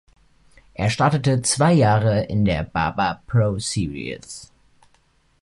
Er startete zwei Jahre in der Barber Pro Series.